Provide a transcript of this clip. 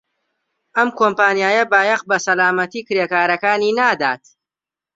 ئەم کۆمپانیایە بایەخ بە سەلامەتیی کرێکارەکانی نادات.